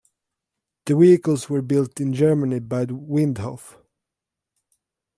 The vehicles were built in Germany by Windhoff.